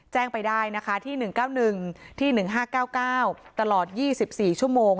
แจ้งไปได้นะคะที่๑๙๑ที่๑๕๙๙ตลอด๒๔ชั่วโมง